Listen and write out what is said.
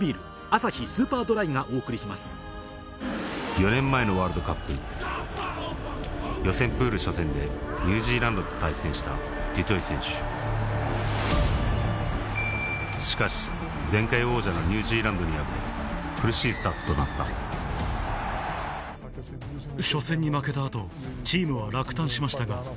４年前のワールドカップ予選プール初戦でニュージーランドと対戦したデュトイ選手しかし前回王者のニュージーランドに敗れ苦しいスタートとなったと思ったよ。